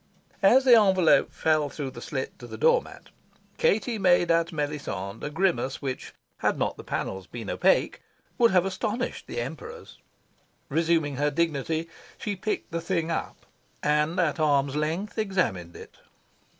As the envelope fell through the slit to the door mat, Katie made at Melisande a grimace which, had not the panels been opaque, would have astonished the Emperors. Resuming her dignity, she picked the thing up, and, at arm's length, examined it.